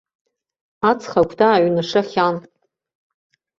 Аҵх агәҭа ааҩнашахьан.